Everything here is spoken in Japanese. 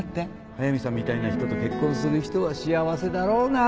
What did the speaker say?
速見さんみたいな人と結婚する人は幸せだろうな